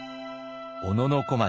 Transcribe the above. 小野小町